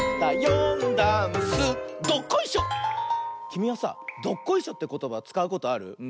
きみはさ「どっこいしょ」ってことばつかうことある？